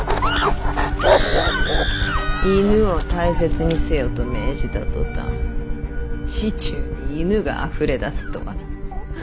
犬を大切にせよと命じた途端市中に犬があふれ出すとは。